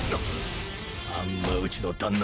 あんまうちの旦那